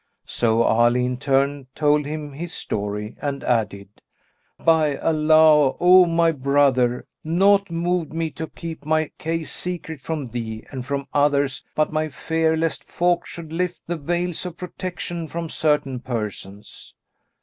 So Ali in turn told him his story and added, "By Allah, O my brother, naught moved me to keep my case secret from thee and from others but my fear lest folk should lift the veils of protection from certain persons."